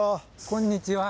こんにちは。